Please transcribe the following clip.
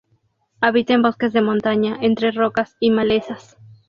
Habita en bosques de montaña, entre rocas y malezas.